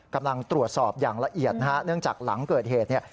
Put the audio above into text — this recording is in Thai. กำลังตรวจสอบอย่างละเอียดนะฮะเนื่องจากหลังเกิดเหตุเนี่ย